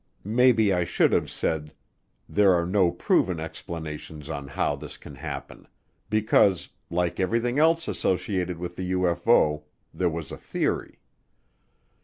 Maybe I should have said there are no proven explanations on how this can happen, because, like everything else associated with the UFO, there was a theory.